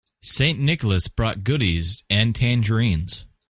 St. Nicholas brought goodies and tangerines.